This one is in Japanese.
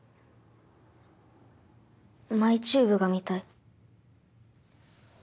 ＭＹｔｕｂｅが見たい。